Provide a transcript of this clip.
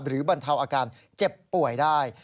บรรเทาอาการเจ็บป่วยได้